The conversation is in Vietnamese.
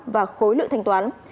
và khối lựa thanh toán